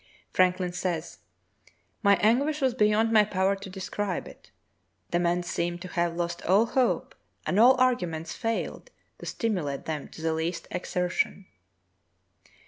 Franklin says: "My anguish was beyond my power to describe it. The men seemed to have lost all hope, and all arguments failed to stimulate them to the least exer tion.